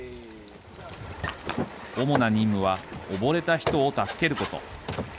主な任務はおぼれた人を助けること。